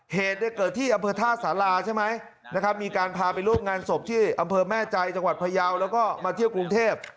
เหตุเกิดที่อำเภอท่าสาราใช่ไหมนะครับมีการพาไปร่วมงานศพที่อำเภอแม่ใจจังหวัดพยาวแล้วก็มาเที่ยวกรุงเทพ